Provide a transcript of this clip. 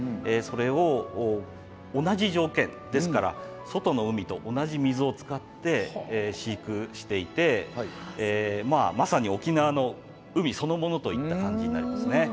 それを同じ条件で外の海と同じ水を使って飼育していてまさに沖縄の海そのものといった感じになりますね。